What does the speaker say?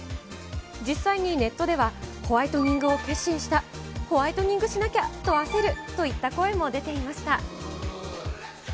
実際にネットでは、ホワイトニングを決心した、ホワイトニングしなきゃと焦るといった声も出ていました。